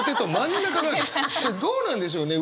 どうなんでしょうね？